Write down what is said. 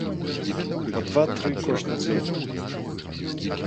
Па два-тры кожны дзень!